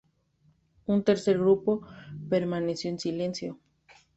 Un tercer grupo permaneció en silencio.